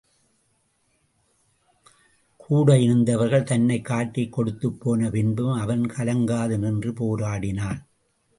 கூட இருந்தவர்கள் தன்னைக் காட்டிக் கொடுத்துப்போன பின்பும் அவன் கலங்காது நின்று போராடினான்.